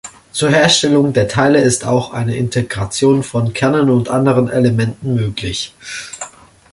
Zur Herstellung der Teile ist auch eine Integration von Kernen und anderen Elementen möglich.